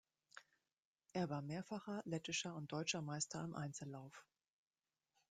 Er war mehrfacher lettischer und deutscher Meister im Einzellauf.